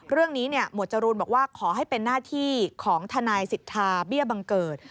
หมวดจรูนบอกว่าขอให้เป็นหน้าที่ของทนายสิทธาเบี้ยบังเกิด